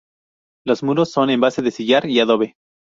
Los muros son en base de sillar y adobe.